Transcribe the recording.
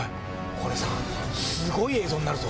これさすごい映像になるぞ。